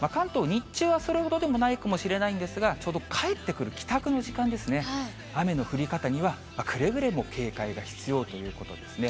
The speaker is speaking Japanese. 日中はそれほどでもないかもしれないんですが、ちょうど帰ってくる帰宅の時間ですね、雨の降り方には、くれぐれも警戒が必要ということですね。